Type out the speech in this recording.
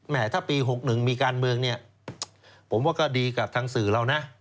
ถ้าปี๖๑มีการเมืองเนี่ยผมว่าก็ดีกับทางสื่อเรานะ